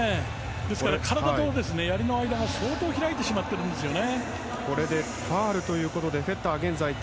ですから体とやりの間が相当開いてしまっているんですよね。